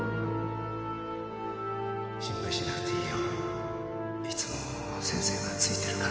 心配しなくていいよいつも先生がついてるから